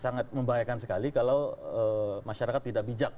sangat membahayakan sekali kalau masyarakat tidak bijak